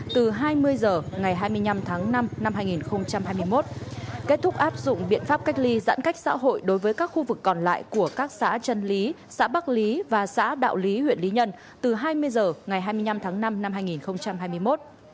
từ hai mươi h ngày hai mươi năm tháng năm năm hai nghìn hai mươi một kết thúc áp dụng biện pháp cách ly giãn cách xã hội đối với các khu vực còn lại của các xã trân lý xã bắc lý và xã đạo lý huyện lý nhân từ hai mươi h ngày hai mươi năm tháng năm năm hai nghìn hai mươi một